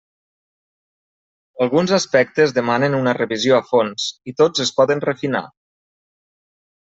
Alguns aspectes demanen una revisió a fons, i tots es poden refinar.